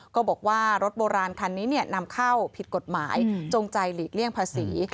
ก็บอกว่ารถโบราณคันนี้นำเข้าผิดกฎหมายจงใจหลีกเลี่ยงภาษี